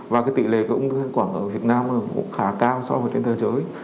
và cái tỷ lệ của ung thư quảng ở việt nam cũng khá cao so với trên thế giới